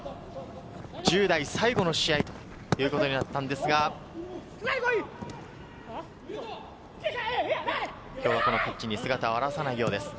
１０代最後の試合ということになったんですが、今日はピッチに姿を現さないようです。